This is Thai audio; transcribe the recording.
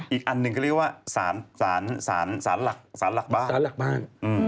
อีกอันหนึ่งเขาเรียกว่าสารหลักบ้าน